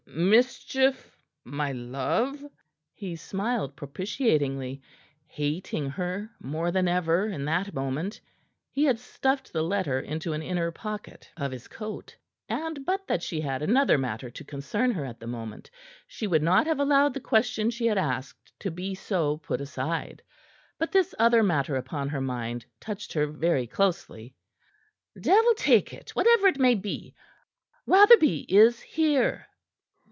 "Mis mischief, my love?" He smiled propitiatingly hating her more than ever in that moment. He had stuffed the letter into an inner pocket of his coat, and but that she had another matter to concern her at the moment she would not have allowed the question she had asked to be so put aside. But this other matter upon her mind touched her very closely. "Devil take it, whatever it may be! Rotherby is here."